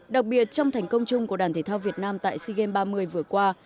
đặc biệt trong thành công chung của đoàn thể thao việt nam tại sea games ba mươi vừa qua